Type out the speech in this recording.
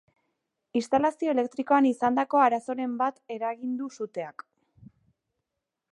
Instalazio elektrikoan izandako arazoren bat eragin du suteak.